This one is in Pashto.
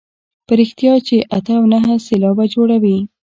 په رښتیا چې اته او نهه سېلابه جوړوي.